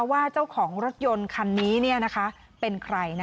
ว่าเจ้าของรถยนต์คันนี้เป็นใคร